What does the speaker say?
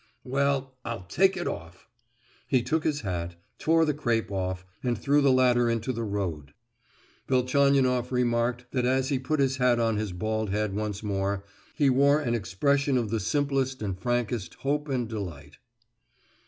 "Well, I'll take it off!" He took his hat, tore the crape off, and threw the latter into the road. Velchaninoff remarked that as he put his hat on his bald head once more, he wore an expression of the simplest and frankest hope and delight.